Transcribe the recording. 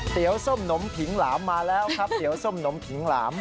ส้มหนมผิงหลามมาแล้วครับเตี๋ยวส้มหนมผิงหลาม